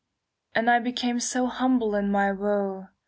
'" "And I became so humble in my woe.